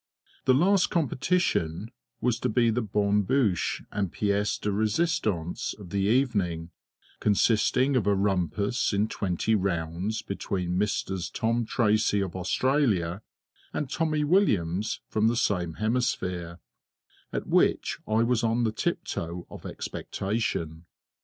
The last competition was to be the bonne bouche and pièce de résistance of the evening, consisting of a rumpus in twenty rounds between Misters TOM TRACY of Australia, and TOMMY WILLIAMS, from the same hemisphere, at which I was on the tiptoe of expectation.